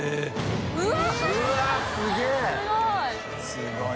すごい！